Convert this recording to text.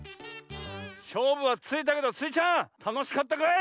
しょうぶはついたけどスイちゃんたのしかったかい？